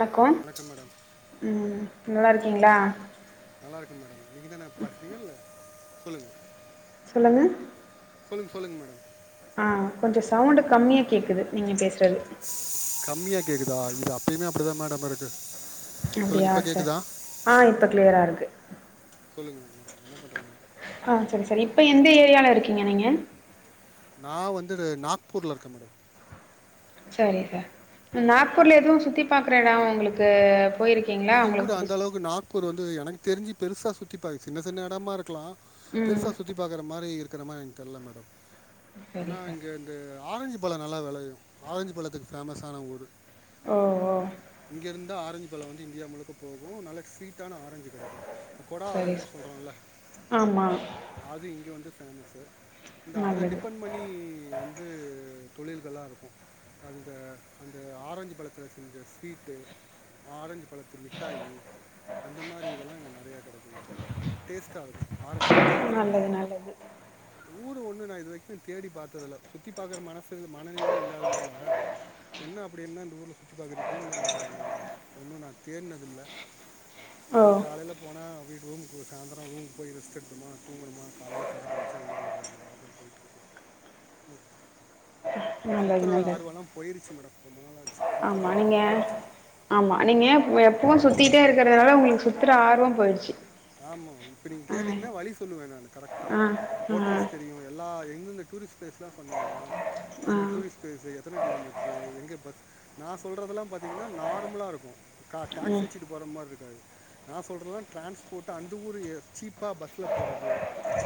வணக்கம் ம் நல்லா இருக் ங்களா நல்லா இருக்கே மேடம் நீங்கதானே [unintelligible] சொல்லுங்க சொல்லுங்க சொல்லுங் சொல்லுங்க மேடம் ஆ கொஞ்சம் சவுண்டு கம்மியா கேக்குது நீங்க பேசறது கம்மியா கேக்குதா இது அப்பயுமே அப்டிதான் மேடம் இருக்கு அப்டியா சா ஆ இப்ப கிளியரா இருக்கு சொல்லுங்க மேடம் என்ன பண்றீங்க இப்ப எந்த ஏரியால இருக்கீங்க நீங்க நா வந்து நாக்பூர்ல இருக்கன் மேடம் சரி சார் நாக்பூர்ல எதுவும் சுத்தி பாக்க எடம் உங்களுக்கு போயிருக்கீங்களா உங்களுக்கு புடிச் து எனக்கு தெரிஞ்சி பெருசா சுத்தி பாக் சின்ன சின்ன எடமா இருக்கலாம் பெருசா சுத்தி பாக்கற மாரி இருக் கிற மாரி எனக்கு தெர்ல மேடம் ஆனா இங்க இந்த ஆரஞ்சு பழம் நல்லா வெளயு ஆரஞ்சு பழத்துக்கு ஃபேமஸான ஊரு இங்கிருந்து ஆரஞ்சு குலோன் இந்தியா முழுக்க போவும் நல்லா சுவிட் டான ஆரஞ்சு கெடைக்கும் கொடா ஆரஞ்சின் சொல்றோம்ல்ல அது இங்க வந்து ஆமா சார் இந்த அத டிப்பன் பண்ணி வந்து தொழில்களா இருக்கும் அதுத அந்த ஆரஞ்சு பழத்தில செஞ்ச ஸ்வீட்டு ஆரஞ்சு கொளத்து மிட்டாயி அந்த மாரி இதல்லாம் இங்க நறையா கிடைக்கும் மேடம் டேஸ்ட்டா இருக்கும் ஆரஞ்சு பழன்னா டேஸ்ட்டா இருக்கும் ஊரு ஒண்ணு நா இது வரை கு தேடி பாத்ததில்ல சுத்தி பாக்கற மனசு மனநிலையில இல்லாதனால என்ன அப்டி என்னா இந்த ஊர்ல சுத்தி பாக்கறதுக்குன்னு ஒன்னும் நா தேடனதில்ல நாம காலையில போனா வீடு ரூமுக்கு சாந்தரம் ரூமுக்கு போய் ரெஸ்ட் எடுத்தோமா தூங்கணுமா காலையில கார் வண்ச்சா ஏறி வருவ அந்த மாரிதா போய்ட்டுருக்கு ஓ ஆ சுத்தற ஆர்வலாம் போயிருச்சு மேடம் ரொம்ப நாளாச்சி ஆ நீங்க ஆமா நீங்க இவங்க எப்பவும் சுத்திட்டே இருக்கறதுனால உங்களுக்கு சுத்தற ஆர்வம் போயிடுச்சி ஆமா இப்ப நீங்க கேட்டீங்கன்னா வழி சொல்லுவன் நானு கரெக்ட்டா ஹோட்டல்ஸ் தெரியு எல்லா எங்கந்த டூரிஸ்ட் ப்ளேஸ்லா சொன்னிங்கன்னா அந்த டூரிஸ்ட் ப்ளேஸ்ஸு எத்தன கிலோமீட்டரு எங்க பஸ் நா சொல்கிறதெல்லா பாத்தீங்கன்னா நார்மலா இருக்கு கா டேக்ஸி வச்சிட்டு போற மாரி இருக்காது நா சொல்றலா ட்ரான்ஸ்போட் த்த அந்த ஊர் சீப்பா பஸ்ல் போறது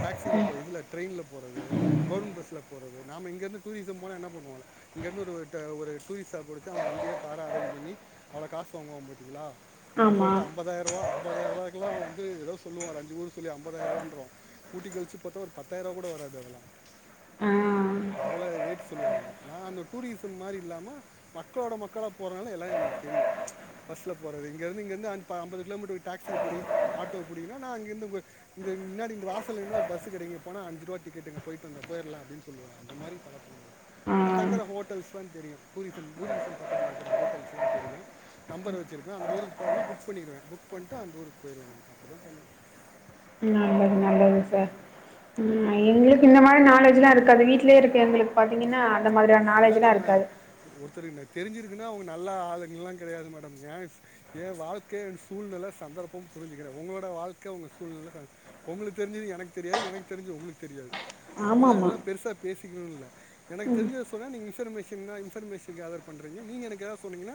டாக்ஸியில போ இதில ட்ரெயின்ல போறது கவுர்மெண்ட் பஸ்ல போறது நாம் இங்கருந்து டூரிசம் போனா என்ன பண்ணுவோ இங்கேருந்து ஒரு ஒரு டூரிஸ்சா புடிச்சா அவ வண்டியா காரா அரேஞ் பண்ணி் அவள காசு வாங்குவோ பாத்திங்களா அவ சொல்ற ஐம்பதாயிர ரூவா ஐம்பாயிரரூவாகிலா த்து எதோ சொல்லுவா ஒரு அஞ்சி ஊரு சொல்லி அம்பாதயிரூவான்றோ கூட்டி கழிச்சி பாத்தா ஒரு பாத்தாயிரரூவா கூட வராது அதெல்லா அவள ரேட் சொல்லுவானுங்க நா அந்த டூரிச்சம் மாரி இல்லாம மக்களோட மக்களா போறனால எல்லா எனக்கு தெரியு பஸ்ல போறது இங்க இருந்து இங்க இருந்து பா அம்பது கிலோ மீட்டருக்கு டேக்ஸி புடி ஆட்டோ புடிங்கானா நா அங்க இந்து இ இந்த முன்னாடி இந்த வாச இன்னு ஒரு பஸ்ஸு கெடைக்கு போனா அஞ்சுரூவா டிக்கெட்டுங்க போயிட்டு வ போயிரலா அப்பிடின்னு சொல்லுவ அந்த மாரி பழக்கம் நம்மளுக் அ தங்கர ஹோட்டல்ஸ்லா தெரியும் டூரிசம் டூரிசம் பத்தில இருக்கிற ஹோட்டல்ஸ்ல்லா தெரியு நம்பர் வச்சிருப்பே அந்த ஊருக்கு போனா புக் பண்ணிடருவே புக் பண்ட்டு அந்த ஊருக்கு போயிருவே நா அப்பிடிதா பண்ணு நல்லது நல்லது சார் ம் எங்களுக்கு இந்த மாரி நாலேஜ்ல்லா இருக்காது வீட்யே இருக்கே எங்களுக்கு பாத்தீங்கன்னா அதெல்லா நம்ம ஒருத்தருனு தெரிஞ்சிருக்குன்னா அவங்க நல்லா ஆளுங்கலா கெடையாது மேடம் ஏ ஏ வாழ்க்க அண்ட் சூழ்நில சந்தர்ப்பம் புரிஞ்சுகிறே உங்களோட வாழ்க்க உங்க சூழ்நில ச உங்களுக்கு தெரிஞ்ச எனக்கு தெரியாது எனக்கு தெரிஞ்சது உங்களுக்கு தெரியாது அவ்ளதா இதெல்லா பெருசா பேசி க்குல்ல எனக்கு தெரிஞ்சத சொல்ல இன்ஃபர்மேஷன் இன்பர்மேஷன் கேதர் பண்றீங்க நீங்க எனக்கு எதா சொன்னீங்கன்னா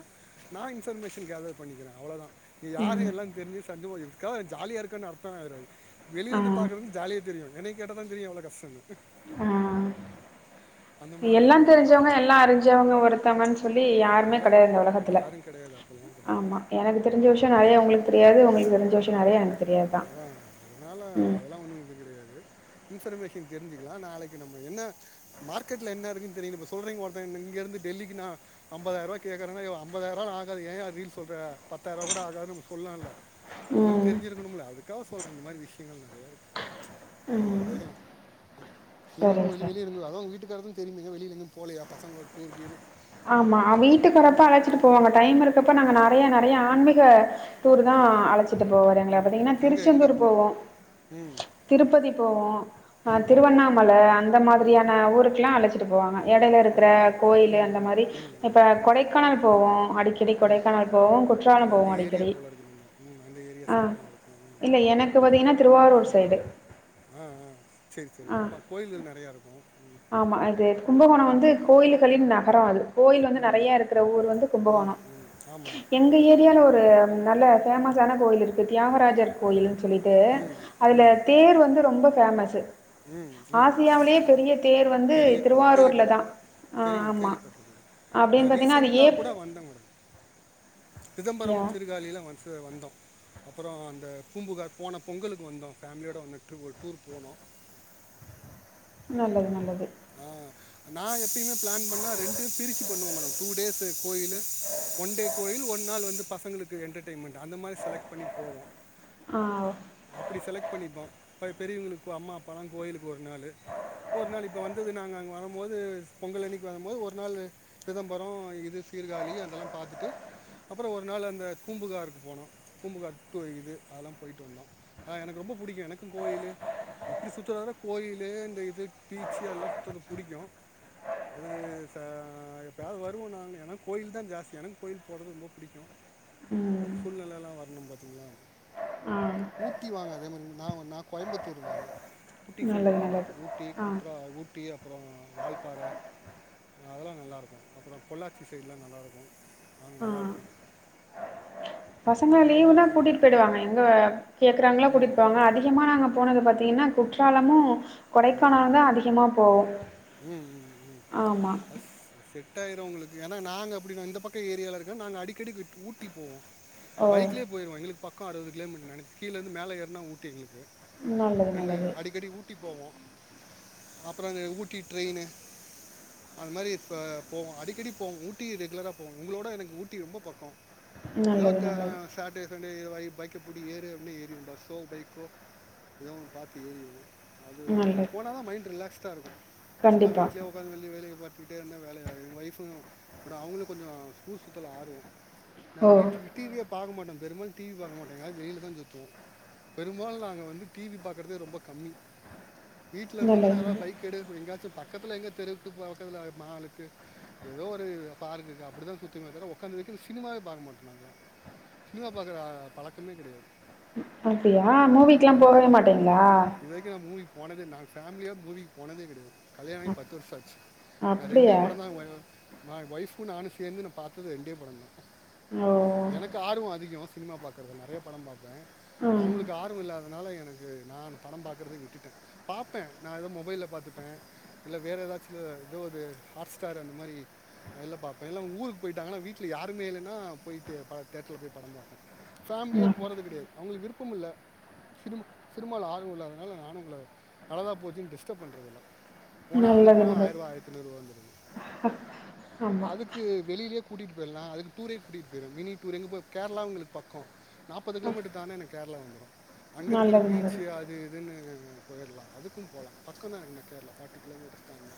நா இன்ஃபர்மேஷன் கேதர் பண்ணிக்கிறே அவ்ளதா நீ யாரு எல்லா தெரிஞ்ச சந்தியமா ஜாலியா இருக்கும்ன் அர்த்த ஆயிருராது வெளியில இருந்து பாக்குறதுக்கு ஜாலியா தெரியு என்னைய கேட்டதா தெரியு எவ்ளோ கஷ்டனு எல்லா தெரிஞ்சவங்க எல்லா அறிஞ்சவங்க ஒருத் தவங்க அப்பல்லா இல்ல மேடம் யாரு கெடையாது அப்பெல்லா கிடையாது அதா அதனால அதெல்லா ஒன்னு இது கெடையாது இன்ஃபர்மேஷன் தெரிஞ்சுக்கலா நாளைக்கு நம்ம என்ன மார்க்கெட்ல என்ன இருக்குன்னு தெரியனு சொல்றீங்க ஒருத்தங் இங்க இருந்து டெல்லிக்கு நா ஐம்பதாயிரூவா கேக்றேனா ஐம்பதாயிர ஆகாது ஏயா அ ரீல் சொல்ற பத்தாயிரூவா கூட ஆகாது நம்ம சொல்லா இல்ல நம்மளுக்கு தெரிஞ்சிருக்கணு இல்ல அதுக்காக சொல்றே இந்த மாரி விஷ்யங்கள் நெறைய இருக்கு போய்கலா நீங்க ஒன்னு வெளி வெளிய இருந்த அதா உங்க வீட் இருக்கிறது தெரியுமே எங்க வெளியில எங்கு போகலயா பசங்களோடு டூரு கீரு ஆமா வீட்டுகாரதா அழச்சிட்டு போவாங்க டைம் இருக் இருக்கருப்ப நாங்க நெறய நெறய ஆன்மீக டூருதா அழச்சிட்டு போவாரு எங்கள பாத்தீங்கன்னா திருச்செந்தூர் போவோ திருப்பதி போவோ ஆ திருவண்ணாமல அந் இந்த மாதிரியான ஊருக்கெல்லா அ அழச்சிட் ட்டு போவாங்க எடயில இருக்கிற கோயிலு அந்த மாரி இப்ப கொடைக்கான போவோ ஆ அடி க்கடி கொடைக்கானல் போவோ குற்றாலம் போவோ அடிக்கடி ஆ இல்ல எனக்கு பாத்தீங்கன்னா ம் ஆ ஆ சேரி சேரி ஆமா கோயில்கள் நெறய இருக் அ ஆமா அது கும்பகோணம் வந்து கோயில்களின் ந வராது கோயில் வந்து நெறய இருக்கிற ஊர் வந்து கும்பகோணம் எங்க ஏரியால ஒரு நல்ல ஃபேமஸான கோயிலிருக்கு தியாகராஜர் கோயில் சொல்லிட்டு அதுல தேர் வந்து ரொம்ப ஃபேமஸ் ச ஆசியாவிலேயே பெரிய பெரியத்தேர் கேள்விப்பட்டிருக்க தெரியு கேள்விப்பட்டிருக்க நா ரீசன்ட்டாக்கூட வந்தங் மேடம் சிதம்பரம் சீருகாழில்லா ஒன்ஸ் வந்தோ அப்பறோ அந்த பூம்புகார் போன பொங்கலுக்கு வந்தோ ஃபேம்லியோட வந்து [unintelligible] ஒரு டூர் போனோ நல்லது நல்லது அ நா எப்பயுமே பிளான் பண்ணா ரெண்டு பிரிச்சு பண்ணுவே மேடம் டூ டேஸ் கோயிலு ஒன் டே கோயில் ஒர் நாள் வந்து பசங்களுக்கு என்டர்டெய்ன்மெண்ட் அந்த மாரி செலக்ட்பண்ணி போவோ ஆ அப்டி செலக்ட் பண்ணிப்ப இப்ப பெரியவங்களுக்கு அம்மாப்பாலா கோவிலுக்கு ஒரு நாளு ஒரு நாள் இப்ப வந்தது நாங்க அங்க வரம்போது பொங்கலன்னிக்கி வரும்போது ஒரு நாள் சிதம்பரம் இது சீர்காழி அதெல்லா பாத்துட்டு அப்றோ ஒரு நாள் அந்த பூம்புகார்க்கு போனோ பூம்புகார் [unintelligible] இது அதெல்லா போயிட்டு வந்தோ அ எனக்கு ரொம்ப பிடிக்கு எனக்கு கோயிலு இப்டி சுத்றதுல கோயிலு இந்த இது பீச்சு அதல்லா சுத்றது பிடிக்கு அது சா எப்பயாவது வருவோ நாங்க ஏன்னா கோயில்தா ஜாஸ்தி எனக்கு கோயில் போறது ரொம்ப பிடிக்கு பட் சூழ்நிலை எல்லா வரணு பத்தீங்க்ளா ஊட்டி வாங்க அதே மாரி நா நா கோயம்புத்தூரு நானு ட்டி சைடு வாங்க ஊட்டி குற்றா ஊட்டி அப்றோ வால்பாறை அதெல்லா நல்லார்க்கு அப்றோ பொள்ளாச்சி சைட்லா நல்லார்க்கு அங்க நல்லார்க்கு பசங்க லீவுன்னா கூட்டிட்டு பேய்டுவாங்க எங்க கியக் இருக்கறாங்களா கூட்டிப்போவாங்க அதிகமா நாங்க போ [unintelligible] பத்தீங்கன்னா குற்றாலமு கொடைக்கானல்தா அதிகமா போவோ ம் ம் ம் [unintelligible] செட் ஆயிரு ஒங்களுக்கு ஏன்னா நாங்க அப்டிதா இந்த பக்க ஏரியால இருக்ற நாங்க அடிக்கடி ஊட்டி போவோ பைக்லே போயிருவோ எங்களுக் பக்க அறுவது கிலோமீட்டர் நெனக் கீழருந்து மேல ஏற்னா ஊட்டி எங்களுக்கு ஃபிரண்டு அடிக்கடி ஊட்டி போவோ அப்பறோங்க ஊட் ஊட்டி ட்ரெயினு அது மாரி இப்போ போவோ அடிக்கடி போவோ ஊட்டி ரெகுலரா போவே ஒங்களோட எனக்கு ஊட்டி ரொம்ப பக்கோ எதோ தேவயான சட்டே சன்ட் [unintelligible] பைக்கைப்புடி ஏறு அப்டின்னு ஏறி பஸ்ஸோ பைக்கோ ஏதோ ஒன்னு பாத்து ஏறிருவோ அது இப்டி போனாதா மைண்ட் ரிலாக்ஸ்டா இருக்கு சும்மா வீட்லயே ஒக்காந்து வெளியவே வேலய பாத்துட்டேருந்தா வேலையாகாது எ ஒய்ஃபும் பட் அவுங்க்ளு கொஞ்சோ ஊர் சுத்தல ஆர்வம் நாங்க வீட்ல போய் டி வியே பாக்க மாட்டோ பெரும்பாலு டி வி பாக்க மாட்டேங்க வெளிலதா சுத்துவோ பெரும்பாலு நாங்க வந்து டி வி பாக்றதே ரொம்ப கம்மி வீட்ல இருந்தனா எதனா பைக் எங்காச்சு பக்கத்துல எங்க தெருவுக்கு பக்கத்துல மாலுக்கு ஏதோ ஒரு பார்க்குக்கு அப்டிதா சுத்துவமே தவுர ஒக்காந்து சினிமாவே பாக்க மாட்டோ நாங்க சினிமா பாக்குற பழக்கமே கெடயாது அப்டியா மூவிக்குல்லா போகவே மாட்டீங்ளா போனது நாங்க ஃபேமிலியா மூவி போனதே கெடயாது கல்யாண ஆயி பத்து வருஷோ ஆச்சு நா ரெண்டே படந்தா ஒய் மா ஒய்ஃப் ப்பு நானு சேந்து நா பாத்தது ரெண்டே படந்தா எனக்கு ஆர்வோ அதிகோ சினிமா பாக்கர்து நெறய படம் பாப்பே அவுங்களுக்கு ஆர்வ இல்லாதனால என் எனக்கு நா படம் பாக்கற்தே விட்டுட்டே பாப்பே நா ஏதோ மொபைல்ல பாத்துப்பே இல்ல வேற ஏதாச்சுல ஏதோ இது ஹாட் ஸ்டார் அந்த மாரி எல்லா பாப்பே எல்லா ஊருக்கு போயிட்டாங்கனா வீட்ல யாருமே இல்லனா போய்டு தேட்டர்ல போய் படம் பாப்பே ஃபேமிலிய போறது கெடயாது அவுங்களுக்கு விருப்பம் இல்ல சினிமா சினிமால ஆர்வு இல்லாதனால நானு அவுங்கள நல்லதா போச்சுன்டு பண்றதில்ல போனா அது போனா ஆயிர்பா ஆயிர்தைனூறு வந் அதுக்கு வெளிலியே கூட்டிட்டு போயிர்லா அதுக்கு டூரே கூட்டிகிட்டு போயிடுவோ மினி டூரே எங்க கேரள உங்களுக்கு பக்கோ நாப்பது கிலோமீட்டர் தான்ட்னா எனக்கு கேரளா வந்துடு அங்க இருக்குற பீச்சு அது இதுன்னு போய்ற்லா அதுக்கும்போலா பக்கோ தா எனக்கு கேரள ஃபாட்டி கிலோமீட்டர் தாண்ட்னா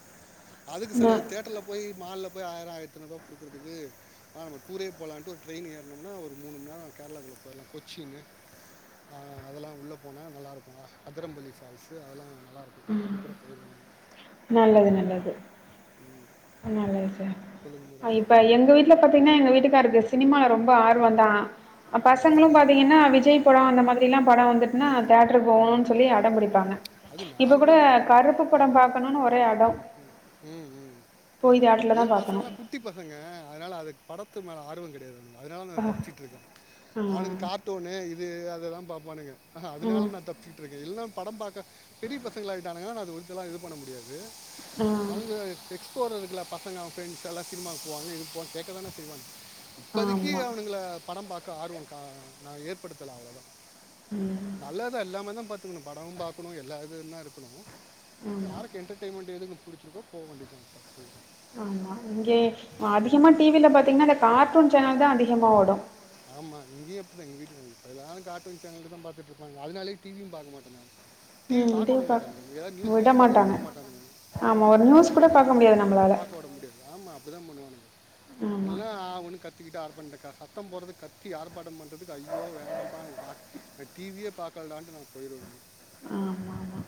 அதுக்கு சில தேட்டர்ல போய் மால்ல போய் ஆய்ரோ ஆயிரத்து ஐனூரூபா குடுக்கற்துக்கு வா நம்ம டூரே போலான்ட்டு ஒரு ட்ரெயின் ஏர்னோம்னா ஒரு மூனுமணி நேரோ கேரளாகுள்ள போய்ரலா கொச்சின்னு அ அதெல்லா உள்ள போனா நல்லாருக்கு அதரம்பள்ளி ஃபால்ஸு அதெல்லா நல்லாருக்கு அது கூட [unintelligible] நல்லது - நல்லது இப்ப எங்க வீட்ல பாத்தீங்கனா எங்க வீட்டுக்காருக்கு சினிமால ரொம்ப ஆர்வ தா பசங்களு பாத்தீங்கனா விஜய் படோ அந்த மாதிரிலா படோ வந்துட்டுன்னா தேட்டருக்கு போகணும்னு சொல்லி அடம் பிடிப்பாங்க இப்ப கூட கருப்பு படம் பாக்கனும்னு ஒரே அடோ உம் - உம் ஏ பசங்கல்லா குட்டி பசங்க அதனால அது படத்து மேல ஆர்வோ கெடையாதுங்க அதனால நா தப்சிட்ருக்கே அவனுக்கு கார்டூனு இது இததா பாப்பானுங்க ஆ அதனால நா தப்சிட்ருக்கே இல்னா படம் பாக்க பெரிய பசங்களாயிட்டானுங்கனா நா அது ஒருத்தெல்லா இது பண்ண முடியாது அவுங்க போறதுக்குலா பசங்க அவுங்க ஃப்ரென்ஸ் எல்லா சினிமாவுக்கு போவாங்க இது போல கேக்க தா செய்வாங்க கொஞ்சோ கீழ அவனுங்ள படம் பாக் கா ஆர்வம் கா நா ஏற்படுத்தல அவ்ளோ தா நல்லதா எல்லாமே தா பா உம் படம் பாக்கணு எல்லாவதுல்ல இருக்கு யாருக்கு என்ட்டர்டெய்மெண்ட் எது குடிச்சுகிட்டே போக வேண்டியது த சார் சொ்கன் ஆமா இங்கே அதிகமா டி வில பாத்தீங்கனா அந்த காட்டூன் சேனல் தா அதிகமா ஓடு எங்க வீ காட்டூன் சேனல் தா பாத்துட்டு இருக்கே அதனாலே டி வியு பாக்க மாட்டேங்க டி வி பாக்க விடமாட்டாங்க ஏதாவது நியூஸ் கீஸ் பாத்தாலு விட மாட்டாங்க ட முடியாது ஆமா அப்பதா பண்ணுவானங்க இங்க [unintelligible] கத்திகிட்டு ஆப் பண்ணிட்டே சத்தம் போடுறது கத்தி ஆர்பாட்டோ பண்றதுக்கு அய்யோ வேணாப்பா நா டி வி யே பாக்கலடான்டு நா போய்ருவேங்க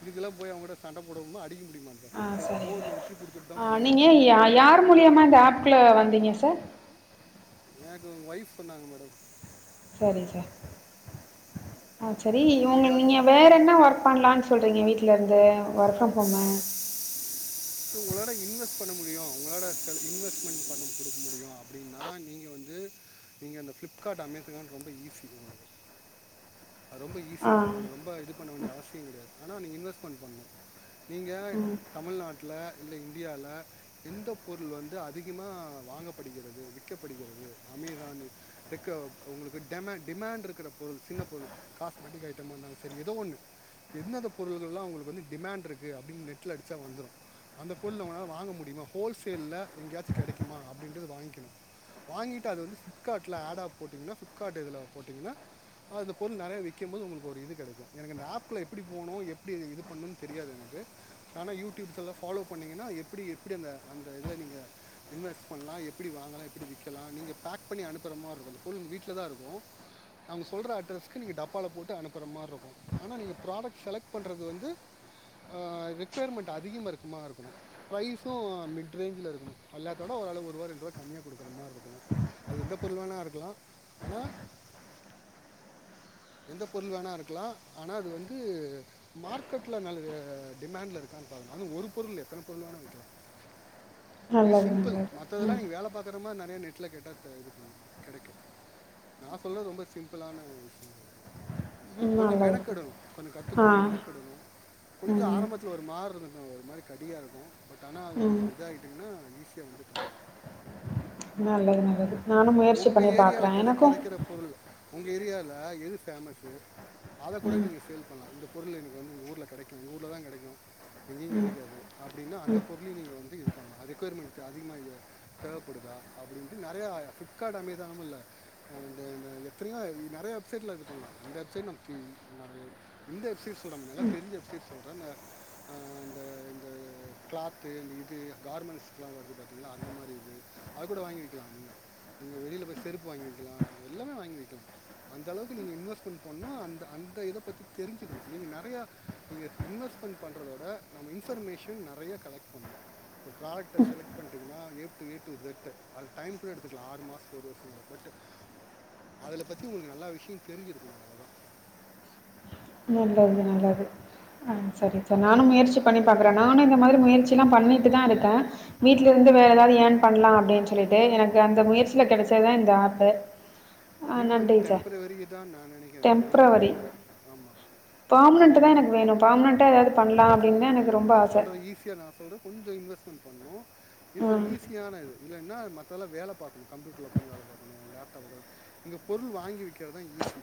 இதுக்கலா போயி அவங்கிட்ட சண்ட போட முடியுமா அடிக்க முடியுமா ஆ சரி உத்தி குடுத்துட்டு தா போனு ஏ யார் மூலியமா இந்த ஆப்குள்ள வந்தீங்க சார் எனக்கு உங்க ஒய்ஃப் சொன்னாங்க மேடம் சரிங்க சார் ஆ சரி நீங்க ஒங்க நீங்க வேற என்ன ஒர்க் பண்ணலானு சொன் நீங்க வீட்லருந்து வொர்க் ப்ரம் ஹோமு சோ உங்களால இன்வெஸ்ட் பண்ண முடியு உங்களால [unintelligible] இன்வெஸ்ட்மெண்ட் பண்ண குடுக்க முடியு அப்டின்னா நீங்க வந்து நீங்க அந்த ஃப்ளிப்கார்ட் அமேசான் ரொம்ப ஈஸி உங்களுக்கு அது ரொம்ப ஈஸி நீங்க ரொம்ப இது பண்ண வேண்டிய அவசியங் கெடையாது ஆனா நீங்க இன்வெஸ்ட்மெண்ட் பண்ணணு நீங்க தமிழ்நாட் ல இல்ல இந்தியால எந்த பொருள் வந்து அதிகமா வாங்கப்படுகிறது விக்கப்படுகிறது அமேசான் ஃப்ளிப்கா உங்களுக்கு டெமா டிமாண்ட் இருக்கிற பொருள் சின்ன பொருள் காஸ்மெட்டிக் ஐட்டமா இருந்தாலு சரி எதோ ஒன்னு எந்தெந்த பொருள்கள்லா உங்களுக்கு வந்து டிமாண்ட் இருக்கு அப்டின்னு நெட்ல அடிச்சா வந்துரு அந்த பொருள் நம்மனால வாங்க முடியுமா ஹோல்சேல்ல எங்கயாச்சு கெடைக்குமா அப்டின்றது வாங்க்கணு வாங்கிட்டு அது வந்து ஃப்ளிப்கார்ட்ல ஆடா போட்டீங்கன்னா ஃப்ளிப்கார்ட் இதுல போட்டீங்கன்னா அந்த பொருள் நெறைய விக்கும்போது உங்களுக்கு ஒரு இது கெடைக்கு எனக்கு இந்த ஆப்க்குள்ள எப்பிடி போணு எப்டி இது பண்ணணுன் தெரியாது எனக்கு ஆனா யூ டியூப்ஸல்லா ஃபாலோ பண்ணீங்கன்னா எப்பிடி எப்பிடி அந்த அந்த இதுல நீங்க இன்வெஸ்ட் பண்லா எப்பிடி வாங்கலா எப்பிடி விக்கலா நீங்க பேக் பண்ணி அனுப்புற மார இருக்கு அந்த பொருள் உங்க வீட்லதா இருக்கு அவங்க சொல்ற அட்ரஸ்க்கு நீங்க டப்பால போட்டு அனுப்புற மார இருக்கு ஆனா நீங்க ப்ராடக்ட் செலக்ட் பண்றது வந்து ஆ ரெக்கொயர்மெண்ட் அதிகமா இருக்க மார இருக்கணு பிரைஸு மிட் ரேஞ்சுல இருக்கணு எல்லாத்த விடோ ஓரளவு ஒர்ருவா ரெண்ட்ருவா கம்மியா குடுக்கற மார இருக்கணு அது எந்த பொருள் வேண்ணா இருக்கலா ஆனா எந்த பொருள் வேண்ணா இருக்கலா ஆனா அது வந்து மார்க்கெட்ல நல்ல டிமாண்ட்ல இருக்கான்னு பாக்கணு அது ஒரு பொருள் இல்ல எத்தன பொருள் வேண்ணா விக்கிலா இது சிம்பிள் மத்ததெல்லா நீங்க வேல பாக்க ற மார நெறைய நெட்ல கேட்டா த இது பண்ணு கெடைக்கு நா சொல்றது ரொம்ப சிம்பிளான விஷயோ கொஞ்ச மெனக்கெடு கொஞ்ச கத்துக்கணு மெனக்கெடனு கொஞ்ச ஆரம்பத்துல ஒரு மார இரு க்கு மாரி கடியாக இருக்கு பட் ஆனா உங்களுக்கு இது ஆயிட்டீங்னா ஈஸியா வந்துட்ருக்கு நல்லது நல்லது நானு முயற்சி பண்ணி பாக்குறே எனக்கு உங்க ஏரியால எது ஃபேமஸு அத கூட நீங்க சேல் பண்லா இந்த பொருள் எனக்கு வந்து எங்க ஊர்ல கெடைக்கு எங்க ஊர்லதா கெடைக்கு எங்கயு கெடைக்காது அப்டின்னு அந்த பொருளையு நீங்க வந்து இது பண்லா ஆ ரெக்கொயர்மெண்ட்டு அதிகமா எ தேவப்படுதா அப்பிடின்ட்டு நெறையா ஃபி ளிப்கார்ட் அமேசானுமு இல்ல அந்த அந்த எத்தனையோ இ நெறைய வெப்சைட்ல இது பண்லா அந்த வெப்சைட் நமக்கு ந இந்த வெப்சைட் சொல்றே நமக்கு நல்லா தெரிஞ்ச வெப்சைட் சொல்றே இந்த ஆ இந்த இந்த கிளாத்து இந்த இது கார்மெண்ட்ஸ்க்கெலா வருது பாரத்தீங்களா அந்த மாரி இது அது கூட வாங்கி விக்கலா நீங்க நீங்க வெளில போய் செருப்பு வாங்கி விக்கிலா எல்லாமே வாங்கி விக்கிலா அந்த அளவுக்கு நீங்க இன்வெஸ்ட்மெண்ட் பண்ணணு அந்த அந்த இத பத்தி தெரிஞ்சுக்கணு நீங்க நெறையா நீங்க இன்வெஸ்ட்மெண்ட் பண்றதோட நம்ம இன்ஃபர்மேஷன் நெறைய கலெக்ட் பண்ணணு ஒரு ப்ராடக்ட செலக்ட் பண்ட்டீங்கன்னா A to A to Z அது டைம் கூட எடுத்துக்கலா ஆறு மா ஒரு வருஷங் கூட பட் அதுல பத்தி உங்களுக்கு நல்லா விஷயோ தெரிஞ்சிருக்கணு அவ்ளதா நல்லதுங்க நல்லது ஆ சரி அப்ப நானு முயற்சி பண்ணி பாக்குறே நானு இந்த மாதிரி முயற்சிலா பண்ணி ட்டுதா இருக்கே வீட்ல இருந்து வேற எதாவது ஏர்ன் பண்லா அப்டின் சொல்லிட்டு எனக்கு அந்த முயற்சில கெடைச்சதுதா இந்த ஆப்பு இது வந்து டெம்பரவரிதா நா நெனைக்கிறே இதுல வந்து ஆமா அது நீங்க அதுதா சொல்றே நா சொல்றது ஈஸியா நா சொல்றது கொஞ்ச இன்வெஸ்ட்மெண்ட் பண்ணணு இது ஒரு ஈஸியான இது இல்லன்னா மத்ததெல்லா வேல பாக்கணு கம்ப்யூட்டர்ல உக்காந்து வேல பாக்கணு லேப்டாப் உக்காந் நீங்க பொருள் வாங்கி விக்கிறதுதா ஈஸி